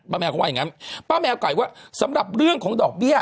แมวเขาว่าอย่างงั้นป้าแมวไก่ว่าสำหรับเรื่องของดอกเบี้ย